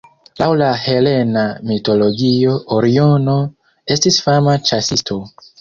Laŭ la helena mitologio Oriono estis fama ĉasisto.